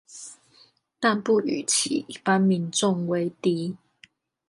但不與其一般民眾為敵